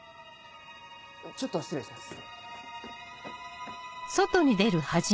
ちょっと失礼します。